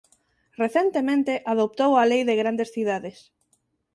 Recentemente adoptou a Lei de grandes cidades.